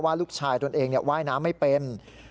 ลูกชายตนเองว่ายน้ำไม่เป็น